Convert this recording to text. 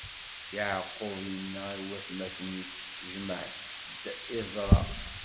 Yeɛqub inna i watmaten-is: Jemɛet-d iẓra.